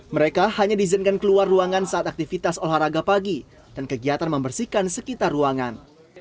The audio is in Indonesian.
mereka hanya diizinkan keluar ruangan saat aktivitas olahraga pagi dan kegiatan membersihkan sekitar ruangan